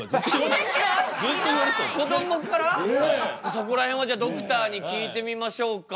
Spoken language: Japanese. そこら辺はじゃあドクターに聞いてみましょうか。